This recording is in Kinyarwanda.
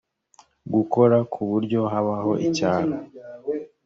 gukora ku buryo habaho icyaro